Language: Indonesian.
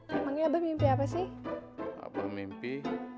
memangnya mimpi apa sih mimpi